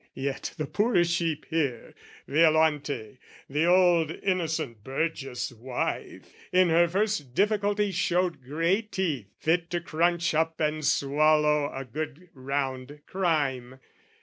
Yet the poor sheep here, Violante, the old innocent burgess wife, In her first difficulty showed great teeth Fit to crunch up and swallow a good round crime.